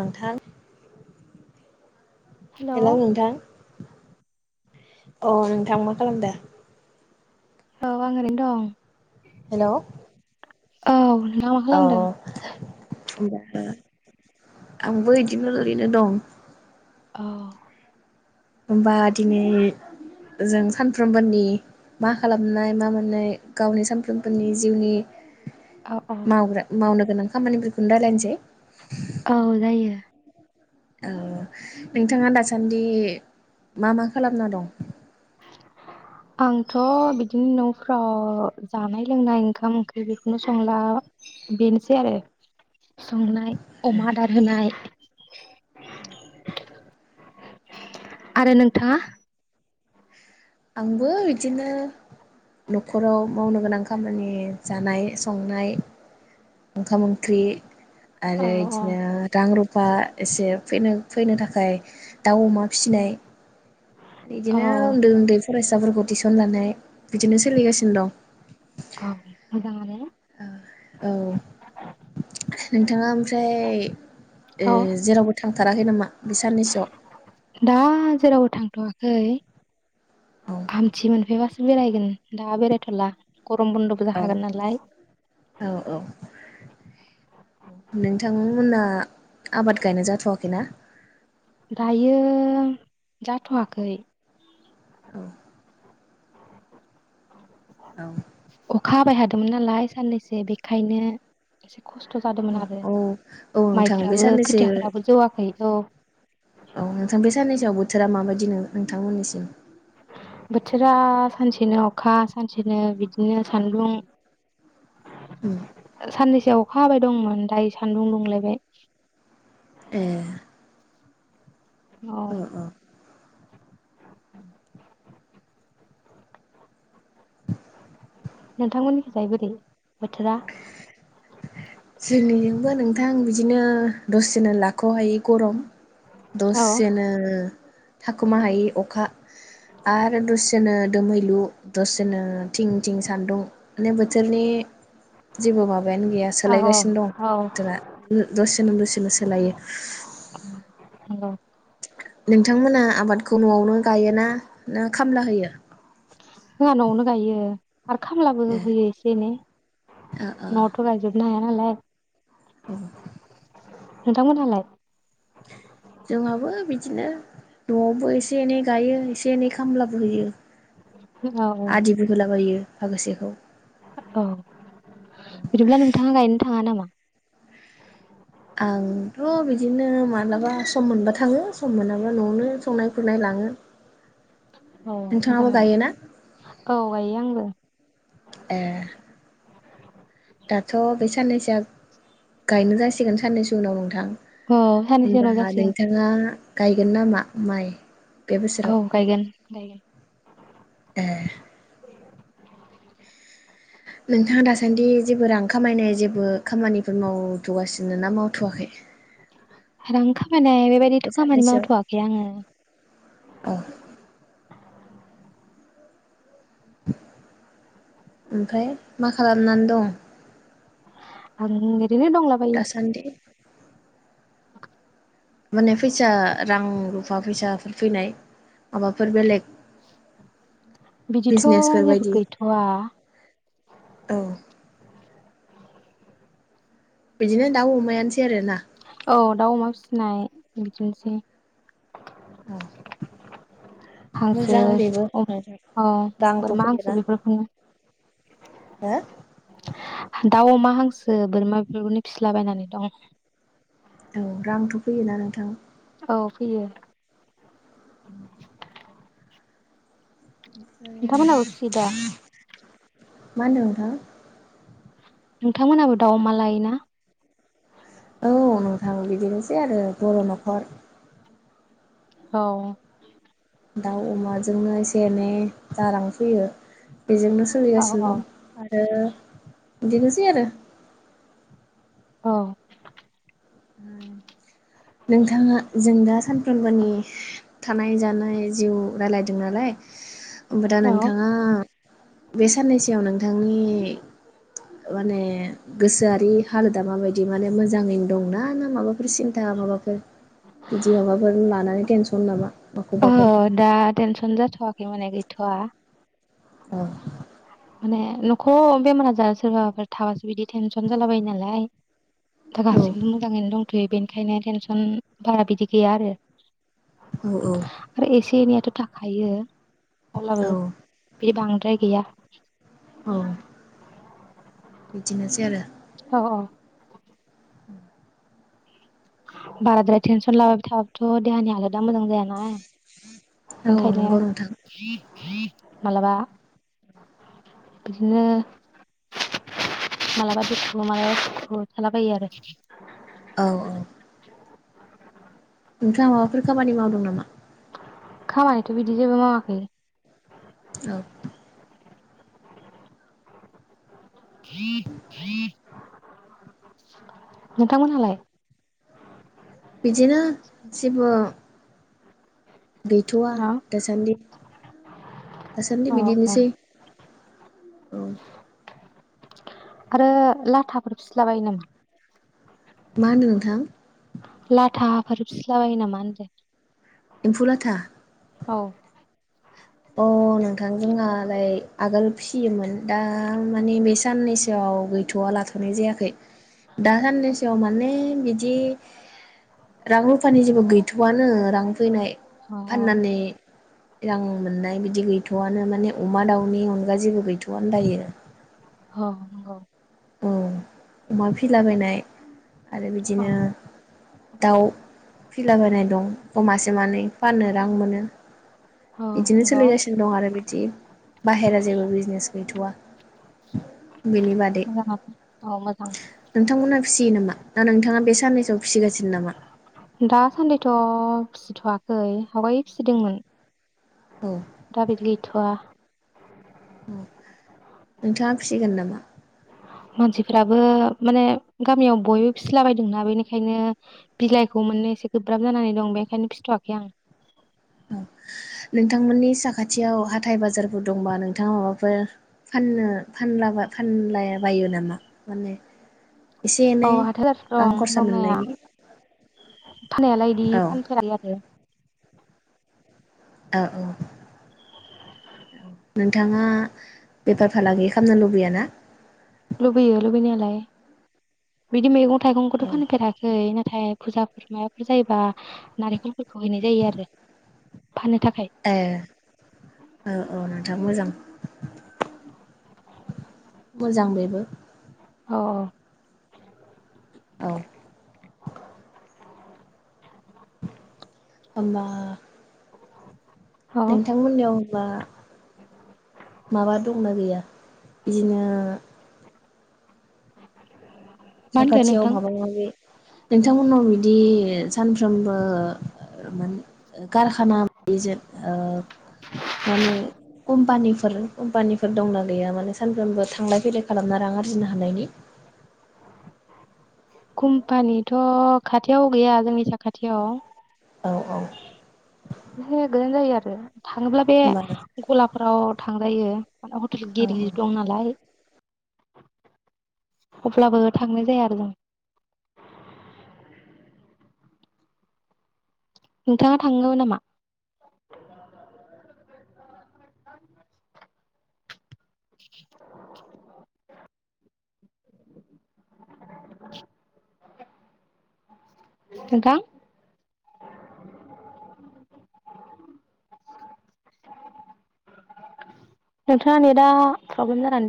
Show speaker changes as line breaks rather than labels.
नोंथां हेल' नोंथां अ नोंथां मा खालामदो?
औ आं ओरैनो दं।
हेल'
औ दा मा खालामदों?
[unintelligible] आंबो इदिनो ओरैनो दं।
औ
होब्मा जों सानफ्रोमबोनि मा खालामनाय मा मोननाय गावनि सानफ्रोमफोरनि जिउनि
औ औ
मावग्रा मावनो गोनां खामानिफोरखोनो रायलायनोसै
औ जायो
ओ नों नोंथाङा दासान्दि मा मा खालामना दं?
आंथ' बिदिनो न'फ्राव जानाय लोंनाय ओंखाम ओंख्रि बेखौनो संला बेनोसै आरो संनाय अमा आदार होनाय आरो नोंथाङा
आंबो बिदिनो न'खराव मावनो गोनां खामानि जानाय संनाय ओंखाम ओंख्रि
औ
आरो
औ
बिदिनो रां रु बा एसे फनो फैनो थाखाय दाउ अमा फिसिनाय बिदिनो उन्दु
औ
उन्दु फरायसाफोरखौ टिउसन लानाय बिदिनो सोलिगासिनो दं
औ मोजाङानो
औ नोंथाङा ओमफ्राय ऐ ए
औ
जेरावबो थां थांथाराखै नामा बे साननैसोआव
दा जेरावबो थां थ'वाखै आमथि मोनफैबासो बेरायगोन दा बेरायथ'ला गरम बन्द'बो
औ
जाखागोन नालाय
औ औ नोंथांमोना आबाद गायनाय जाथ'वाखैना?
दायो जाथ'वाखै
औ
अखा हाबाय हादो मोन नालाय साननैसो बेखायनो खस्थ' जादोंमोन आरो
औ औ नोंथां बे
माइफ्राबो
साननैसो
खोथियाफोराबो जौवाखै औ
औ नोंथां बे साननैसोआवबो बोथोरा माबदिनो नोंथांमोननिसिम?
बोथोरा सानसेनो अखा सानसेनो बिदिनो सान्दुं साननैसोआव अखा हाबाय दंमोन दायो सान्दुं दुंलायबाय
ए
औ
ओ ओ [inaudible]
नोंथांमोननि थाखाय बोरै बोथोरा
जोंनिजोंबो नोंथां बिदिनो दसेनो लाख'हायि गरम
औ
दसेनो थाखुमाहायै अखा आरो दसेनो दोमैलु दसेनो थिं बिथिं सान्दुं मे बोथोरनि जेबो माबायानो गैया
औ
सोलायगासिनो दं
औ
बोथोरा दसेनो दसेनो सोलायो
औ नंगौ
नोंथांमोना आबादखौ न'आवनो गायोना ना खामला होयो
जोंहा न'आवनो गायो आरो खामलाबो होयो एसे एनै
ओ ओ
न'आवथ' गायजोबनो हाया नालाय
औ।
नोंथांमोनहालाय।
जोंहाबो बिदिनो न'आवबो एसे एनै गायो एसे एनै खामलाबो होयो।
औ औ
आदिबो होलाबायो। फागोसेखौ।
औ बिदिब्ला नोंथाङा गायनो थाङा नामा।
आंथ' बिदिनो मालाबा सम मोनबा थाङो सम मोनाबा न'आवनो संनाय खुरनाय लाङो
औ
नोंथाङाबो
मोजाङानो
गायोना
औ गायो आंबो।
एह गायनो जासिगोन साननैसो उनाव नोंथां
औ सानैसो
होमबा
उनाव जासिगोन
नोंथाङा गायगोन नामा माइ। बे
औ
बोसोराव
गायगोन गायगोन।
ए नोंथाङा दासान्दि जेबो रां खामायनाय जेबो खामानिफोर मावथ'गासिनो ना मावथ'वाखै।
रां खामायनाय
बे
बेबायदिथ' खामानि
साननैसोआव
मावथ'वाखै आङो।
औ ओमफाय मा खालामनानै दं
आं इद दिनो दंलाबायो।
दासान्दि माने फैसा रां रुफा फैसाफोर फैनाय माबाफोर बेलेग।
बिदिथ'
बिजनेसफोर
जेबो
बायदि
गैथ'वा
औ बिदिनो दाउ अमायानोसै आरोना
औ दाउ अमा फिसिनाय बिदिनोसै
औ।
हांसो
मोजां बेबो
[unintelligible]
नोंथां रांथ'
बोरमा हांसो
फैयोना
बेफोरखौनो।
हो
दाउ अमा हांसो बोरमा बेफोरखौनो फिसलाबायायनानै दं।
औ रांथ' फैयोना नोंथां।
औ फैयो।
[unintelligible] ओमफ्राय
नोथामोनाबो फिसियो दा?
मा होन्दों नोंथां।
नोंथांमोनहाबो दाउ अमा लायोना?
औ नोंथां बिदिनोसै आरो बर' न'खर।
औ।
दाउ अमाजोंनो एसे-एनै जा रां फैयो। बेजोंनो
औ औ
सोलिगासिनो दं आरो इदिनोसै आरो।
औ।
[unintelligible] नोंथाङा जों दा सान सबनि थानाय जानाय जिउ रायलायदों नालाय। दा
औ
नोंथाङा बे साननैसोआव नोंथांनि माने गोसोआरि हालोदा माबायदि माने मोजाङैनो। दंना ना माबाफोर सिन्था माबाफोर बिदि माबाफोर लानानै टेनसन नामा।
ओ
माखौबाफोर
दा टेनसन जा थवाखै माने गैथवा।
औ।
माने न'खौ बेमार आजार सोरबाफोर थाबासो बिदि टेनसन जाला बायो नालाय। दा
औ
गाससिबो मोजाङैनो दं। थयो बेनिखायनो टेनसन बारा बिदि गैया आरो।
औ
आरो एसे एनैया। थाखायो।
औ
अब्लाबो। बि बांद्राय गैया।
औ। बिदिनोसै आरो।
औ औ बाराद्राय टेनसन लाबाय थाबथ' देहानि आलाद दा मोजां जायाना।
औ
ओंखायनो
नंगौ नोंथां।
मालाबा बिदिनो मालाबा दुखु मालाबा सुखु थालाबायो आरो‌।
औ नोंथा माबाफोर खामानि मावदों नामा?
खामानिथ' बिदि जेबो मावाखै।
औ
[inaudible] नोंथांमोनहालाय।
बिदिनो जेबो। गैथ'वा
अ
दासान्दि दासान्दि
अ अ
बिदिनोसै। औ।
आरो लाथाफोर फिसलाबायो नामा।
मा होनो नोंथां।
लाथा फोर फिस्लाबायो नामा होनदो।
एम्फुलाथा।
औ।
अ नोंथां जोंहालाय आगोल फिसियोमोन दा माने बे साननैसोआव गैथ'वा लाथ'नाय जायाखै दा साननैसोआव माने बिदि रां रुफानि जेबो गैथ'आनो रां फैनाय।
अ अ
फाननानै रां। बिदि गैथ'आनो माने अमा दाउनि अनगा जेबो गैथ'। जग दायोनो।
औ नंगौ
अमा फिलाबायनाय आरो
औ
बिदिनो दाउ फिलाबायनाय दं अमासे मानै। फाननो रां मोनो
औ
बिदिनो
नंगौ
सोलिगासिनो दं आरो बिदि बाहेरा जेबो बिजनेस गैथवा बिनि बादै
मोजाङानो औ मोजां
नोंथांमोनहा फिसियो नामा दा नोंथाङा बे साननैसोआव फिसिगासिनो नामा
दासान्दिथ' फिसिथवाखै आवगाय फिसिदोंमोन
औ
दा बिदि गैथआ
नोंथाङा फिसिगोन नामा
मानसिफ्राबो माने गामियाव बयबो फिसिलाबायदोंना बेनिखायनो बिलाइखौ मोन एसे गोब्राब जानानै दं बेखायनो फिथवाखै आं
औ नोंथांमोननि साखाथियाव हाथाय बाजारफोर दंबा नोंथाङा माबाफोर फाननो फानला फानलाय बायो नामा माने एसे
अ
एनै
हाथायाव लाथा
रां
दं
खरसा
दंनाया
मोननायनि
फाननायालाय बिदि
औ
फानफेराखै आरो
औ औ नोंथाङा बेफार फालांगि खालामनो लुबैया ना
लुबैयो लुबैनायालाय बिदि मैगं थाइगंफोर
औ
फानफेराखै नाथाय फुजाफोर माबाफोर जायोबा नारेंखलफोरखौ हैनाय जायो आरो फाननो थाखाय
ए औ औ नोंथां मोजां मोजां बेबो
अ अ
औ ओम्बा
[inaudible]
नोंथांमोननियाव होनबा माबा दंना गैया बिदिनो
मा होनदो
साखाथियाव
नोंथां
माबा माबि नोंथांमोननाव बिदि सानफ्रोमबो माने कारखानाजों माने कम्पानिफोर कम्पानिफोर दंना गैया माने सानफ्रोमबो थांलाय फैलाय खालामना रां आरजिनो हानायनि
कम्पानिथ खाथियाव गैया जोंनि साखाथियाव
औ औ
ए थाङोब्ला बे
होमबा
गलापाराव थांजायो मान हटेल
औ औ
गिदिर दंनालाय अब्लाबो थांनाय जाया आरो जों नोंथाङा थागोमोन नामा [unintelligible] नोंथां नोंथाङा नेदा प्रब्लेम जानानै